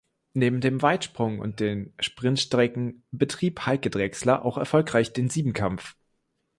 Neben dem Weitsprung und den Sprintstrecken betrieb Heike Drechsler auch erfolgreich den Siebenkampf.